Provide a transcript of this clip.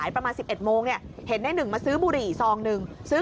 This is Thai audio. ประมาณ๑๑โมงเนี่ยเห็นในหนึ่งมาซื้อบุหรี่ซองหนึ่งซื้อ